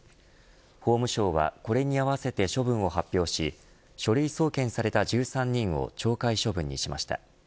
法務省はこれに合わせて処分を発表し書類送検された１３人を懲戒処分にしました。